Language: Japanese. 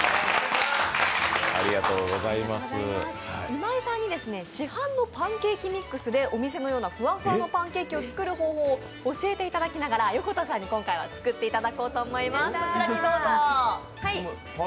今井さんに市販のパンケーキミックスでお店のようなふわふわのパンケーキを作る方法を教えていただきながら横田さんに今回は一緒に作っていただきます。